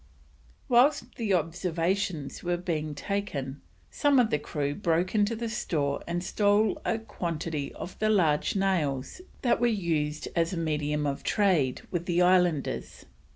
Whilst the observations were being taken some of the crew broke into the store and stole a quantity of the large nails that were used as a medium of trade with the islanders.